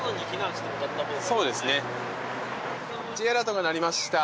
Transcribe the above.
Ｊアラートが鳴りました。